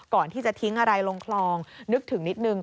ก่อนที่จะทิ้งอะไรลงคลองนึกถึงนิดนึง